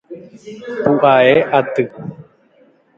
Pu'ae aty.